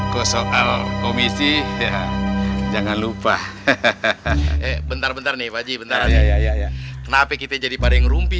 kosong komisi jangan lupa hahaha bentar bentar nih wajib ntar ya kenapa kita jadi pada ngerumpi